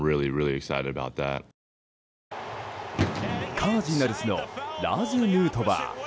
カージナルスのラーズ・ヌートバー。